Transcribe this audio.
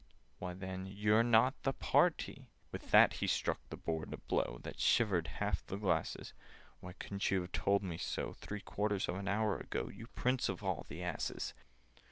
"Why, then YOU'RE NOT THE PARTY!" With that he struck the board a blow That shivered half the glasses. "Why couldn't you have told me so Three quarters of an hour ago, You prince of all the asses?